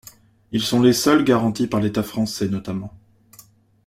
Ils sont les seuls garantis par l’État français notamment.